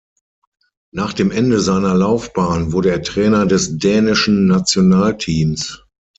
Nach dem Ende seiner Laufbahn wurde er Trainer des dänischen Nationalteams.